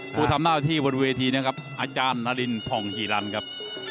ผู้ทำหน้าที่บนเวทีนะครับอาจารย์นารินผ่องฮีรันครับ